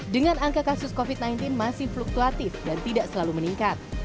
dengan angka kasus covid sembilan belas masih fluktuatif dan tidak selalu meningkat